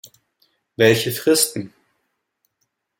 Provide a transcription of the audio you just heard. Welche Fristen?